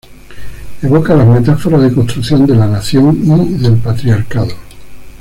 Evoca las metáforas de construcción de la Nación y del patriarcado.